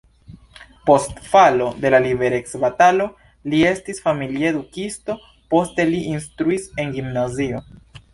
Post falo de la liberecbatalo li estis familia edukisto, poste li instruis en gimnazio.